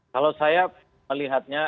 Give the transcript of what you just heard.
kalau saya melihatnya